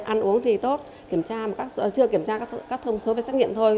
ăn uống thì tốt chưa kiểm tra các thông số về xét nghiệm thôi